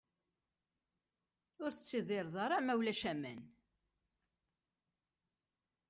Ur tettidireḍ ara ma ulac aman.